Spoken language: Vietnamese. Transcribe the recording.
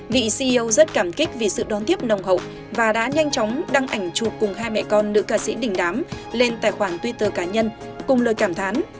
vị ceo rất cảm kích vì sự đón tiếp nồng hậu và đã nhanh chóng đăng ảnh chụp cùng hai mẹ con nữ ca sĩ đình đám lên tài khoản twitter cá nhân cùng lời cảm thán